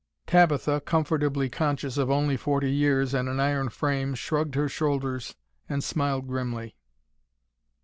Tabitha, comfortably conscious of only forty years and an iron frame, shrugged her shoulders and smiled grimly.